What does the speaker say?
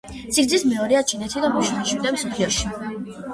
სიგრძით მეორეა ჩინეთში და მეშვიდე მსოფლიოში.